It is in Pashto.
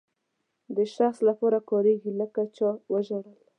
د شخص لپاره کاریږي لکه چا وژړل.